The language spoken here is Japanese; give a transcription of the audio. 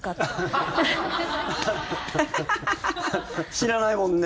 知らないもんね。